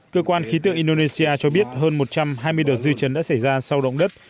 cơ quan khí tượng indonesia cho biết hơn một trăm hai mươi đợt dư chấn đã xảy ra sau động đất